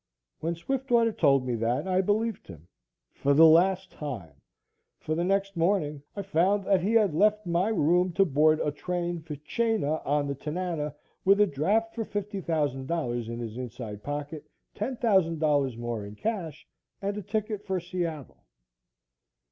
When Swiftwater told me that, I believed him for the last time for the next morning I found that he had left my room to board a train for Chena, on the Tanana, with a draft for $50,000 in his inside pocket, $10,000 more in cash and a ticket for Seattle.